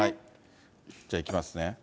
じゃあいきますね。